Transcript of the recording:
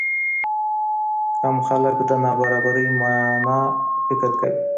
کم خلک د نابرابرۍ معنی فکر کوي.